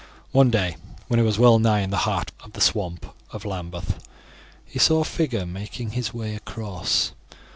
One day when he was well nigh in the heart of the swamp of Lambeth he saw a figure making his way across.